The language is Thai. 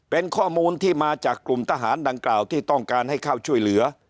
เป็นข้อมูลที่มาจากกลุ่มทหารดังกล่าวที่ต้องการให้เข้าช่วยเหลือ